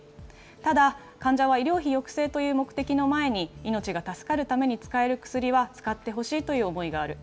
ただ、患者は医療費抑制という目的の前に、命が助かるために使える薬は使ってほしいという思いがある。